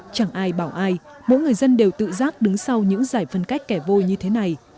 chẳng ai bảo ai mỗi người dân đều tự giác đứng sau những giải phân cách kẻ vôi như thế này